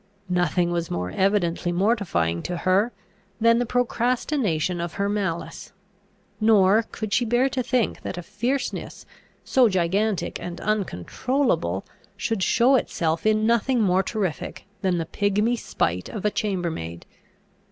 Nothing was more evidently mortifying to her, than the procrastination of her malice; nor could she bear to think that a fierceness so gigantic and uncontrollable should show itself in nothing more terrific than the pigmy spite of a chambermaid.